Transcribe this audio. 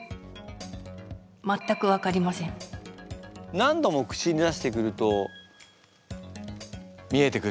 何度も口に出してくると見えてくる。